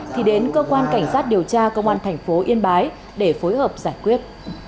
thì đến cơ quan cảnh sát điều tra công an thành phố yên bái để phối hợp giải quyết